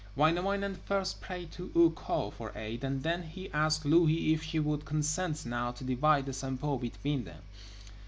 Wainamoinen first prayed to Ukko for aid, and then he asked Louhi if she would consent now to divide the Sampo between them.